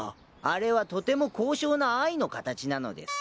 あれはとても高尚な愛の形なのです。